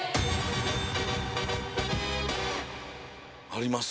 あります。